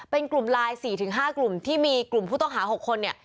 เป็นกลุ่มไลน์๔๕กลุ่มที่มีกลุ่มผู้ต้องหา๖คนเนี่ย